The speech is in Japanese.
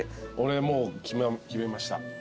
俺もう決めました。